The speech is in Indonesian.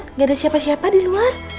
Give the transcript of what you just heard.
nggak ada siapa siapa di luar